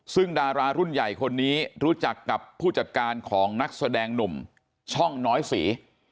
ซึ่งดารารุ่นใหญ่คนนี้รู้จักกับผู้จัดการของนักแสดงหนุ่มช่องน้อยศรี